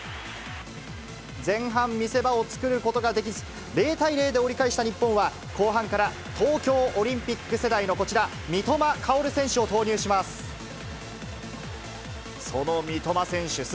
前半、見せ場を作ることができず、０対０で折り返した日本は、後半から東京オリンピック世代のこちら、三笘薫選手を投入します。